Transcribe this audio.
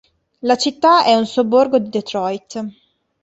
La città è un sobborgo di Detroit.